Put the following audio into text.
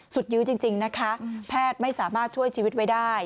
ยื้อจริงนะคะแพทย์ไม่สามารถช่วยชีวิตไว้ได้